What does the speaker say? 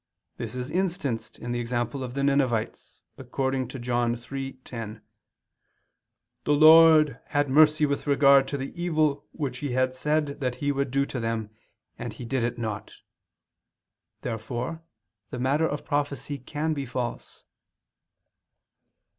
This is instanced in the example of the Ninevites, according to John 3:10: "The Lord [Vulg.: 'God'] had mercy with regard to the evil which He had said that He would do to them, and He did it not." Therefore the matter of prophecy can be false.